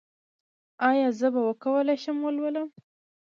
ایا زه به وکولی شم ولولم؟